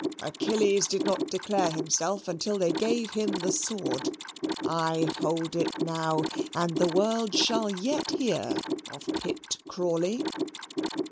Achilles did not declare himself until they gave him the sword. I hold it now, and the world shall yet hear of Pitt Crawley."